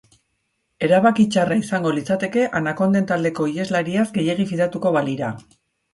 Erabaki txarra izango litzateke anakonden taldeko iheslariaz gehiegi fidatuko balira.